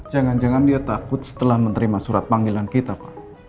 jangan jangan dia takut setelah menerima surat panggilan kita pak